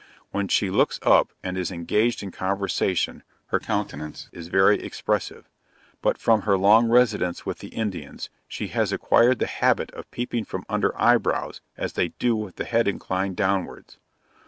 When she looks up and is engaged in conversation her countenance is very expressive; but from her long residence with the Indians, she has acquired the habit of peeping from under eye brows as they do with the head inclined downwards.